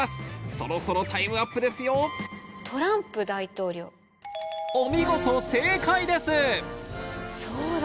そろそろタイムアップですよお見事正解です！